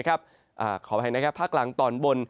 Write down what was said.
ขออภัยนะครับภาคกลางตอนบน